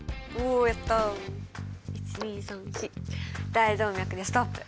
「大動脈」でストップ。